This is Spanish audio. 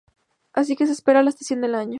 Así que se espera a la estación del año.